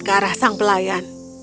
ke arah sang pelayan